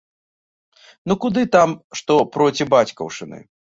Ну куды там што проці бацькаўшчыны?!